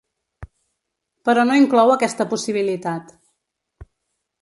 Però no inclou aquesta possibilitat.